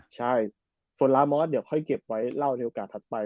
ใช่ส่วนลามอสเดี๋ยวค่อยเก็บไว้เล่าในโอกาสถัดไป